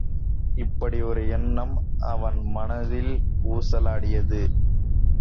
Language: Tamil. இப்படியொரு எண்ணம் அவன் மனத்திலே ஊசலாடியது.